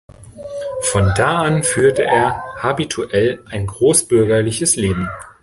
Von da an führte er habituell ein großbürgerliches Leben.